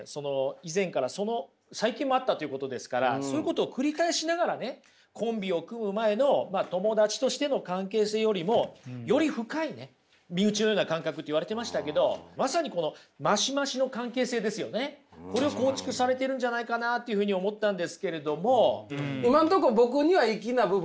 以前から最近もあったということですからそういうことを繰り返しながらねコンビを組む前の友達としての関係性よりもより深いね「身内のような感覚」って言われてましたけどまさにこれを構築されてるんじゃないかなというふうに思ったんですけれども。